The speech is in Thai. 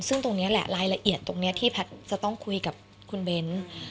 ซึ่งตรงนี้แหละรายละเอียดตรงนี้ที่แพทย์จะต้องคุยกับคุณเบ้น